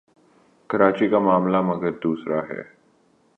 کراچی کا معاملہ مگر دوسرا ہے۔